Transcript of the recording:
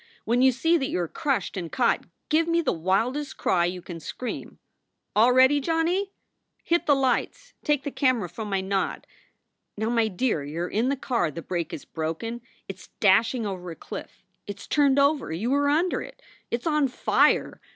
When you see that you are crushed and caught, give me the wildest cry you can scream ! All ready, Johnny ? 232 SOULS FOR SALE Hit the lights! Take the camera from my nod. Now, my dear, you re in the car, the brake is broken! It s dashing over a cliff! It s turned over! You are under it! It s on fire!